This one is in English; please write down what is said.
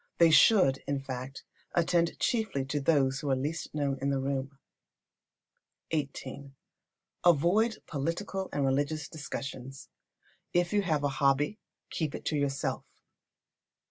They should, in fact, attend chiefly to those who are the least known in the room. xviii. Avoid political and religious discussions. If you have a hobby, keep it to yourself.